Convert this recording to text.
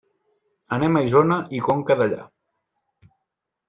Anem a Isona i Conca Dellà.